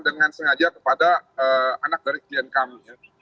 dengan sengaja kepada anak dari klien kami